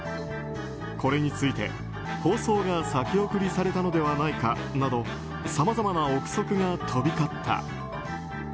これについて、放送が先送りされたのではないかなどさまざまな憶測が飛び交った。